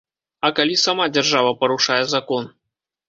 А калі сама дзяржава парушае закон?